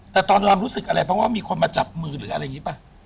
แต่ตอนลำรู้สึกอะไรเพราะว่ามีคนมาจับมือหรืออะไรอย่างนี้ป่ะ